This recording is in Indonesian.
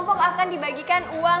masyarakat dalam satu konsumen